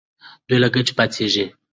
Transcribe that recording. دی له کټه پاڅېږي.